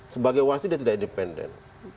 sebagai wasit dia tidak independen